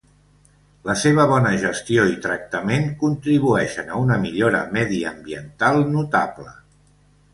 La seva bona gestió i tractament contribueixen a una millora mediambiental notable.